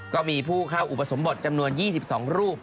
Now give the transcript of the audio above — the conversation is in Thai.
ก็มีผู้เข้าอุปสมบทจำนวน๒๒รูป